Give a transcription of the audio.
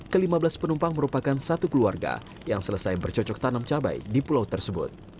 kelima belas penumpang merupakan satu keluarga yang selesai bercocok tanam cabai di pulau tersebut